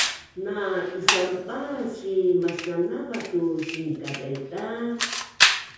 na’isaunbaas i masnanava tu sinkadaidaz